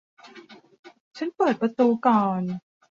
ฉันเปิดประตูก่อน